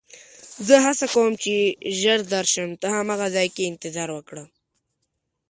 زه هڅه کوم چې ژر درشم، ته هماغه ځای کې انتظار وکړه.